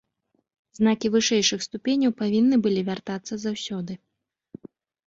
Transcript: Знакі вышэйшых ступеняў павінны былі вяртацца заўсёды.